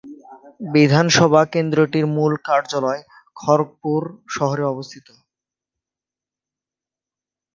বিধানসভা কেন্দ্রটির মূল কার্যালয় খড়গপুর শহরে অবস্থিত।